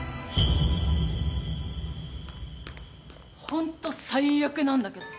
ホント最悪なんだけど。